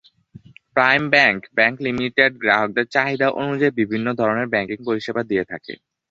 Prime bank bank limited গ্রাহকদের চাহিদা অনুযায়ী বিভিন্ন ধরনের ব্যাংকিং পরিসেবা দিয়ে থাকে।